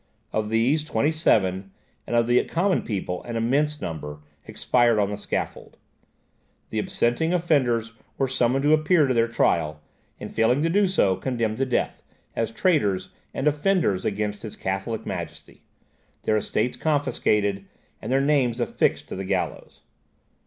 Of these, twenty seven, and of the common people an immense number, expired on the scaffold. The absenting offenders were summoned to appear to their trial, and failing to do so, condemned to death, as traitors and offenders against his Catholic Majesty, their estates confiscated, and their names affixed to the gallows.